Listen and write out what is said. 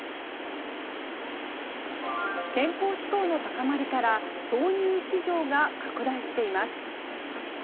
健康志向の高まりから豆乳市場が拡大しています。